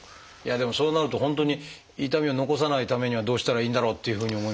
でもそうなると本当に痛みを残さないためにはどうしたらいいんだろうっていうふうに思いますが。